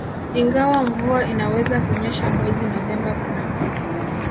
ingawa mvua inaweza kunyesha mwezi Novemba Kuna